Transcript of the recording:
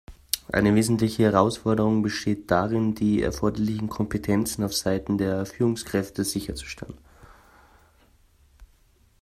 Eine wesentliche Herausforderung besteht darin, die erforderlichen Kompetenzen auf Seiten der Führungskräfte sicherzustellen.